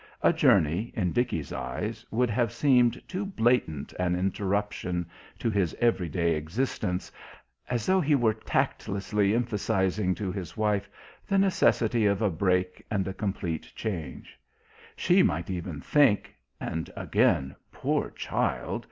A journey, in Dickie's eyes, would have seemed too blatant an interruption to his everyday existence, as though he were tactlessly emphasising to his wife the necessity of a break and a complete change; she might even think and again "poor child!"